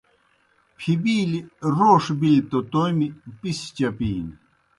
پِھبِیلیْ روݜ بِلیْ توْ تومیْ پسیْ چپِینیْ